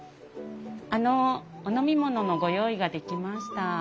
あのお飲み物のご用意ができました。